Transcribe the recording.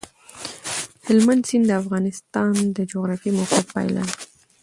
هلمند سیند د افغانستان د جغرافیایي موقیعت پایله ده.